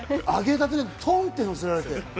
揚げたてでトンって、のせられて。